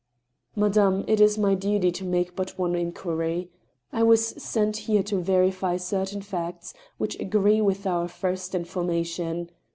" Madame, it is my duty to make but one inquiry. I was sent here to verify certain facts which agree with our first information.